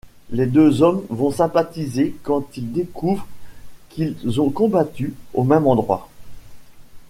Les deux hommes vont sympathiser quand ils découvrent qu'ils ont combattu au même endroit.